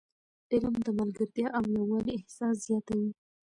علم د ملګرتیا او یووالي احساس زیاتوي.